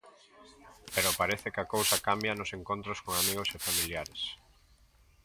Pero parece que a cousa cambia nos encontros con amigos e familiares.